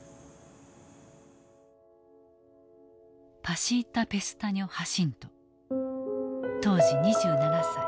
パシータ・ペスタニョ・ハシント当時２７歳。